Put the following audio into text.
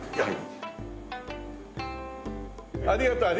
ありがとう。